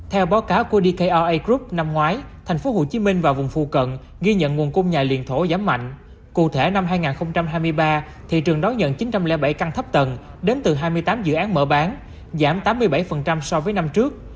theo báo cáo của dkr group năm ngoái tp hcm và vùng phù cận ghi nhận nguồn cung nhà liền thổ giảm mạnh cụ thể năm hai nghìn hai mươi ba thị trường đón nhận chín trăm linh bảy căn thấp tầng đến từ hai mươi tám dự án mở bán giảm tám mươi bảy so với năm trước